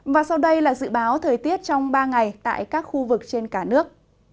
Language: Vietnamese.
và sau đây là dự báo thời tiết trong ba ngày tại các khu vực trên cả nước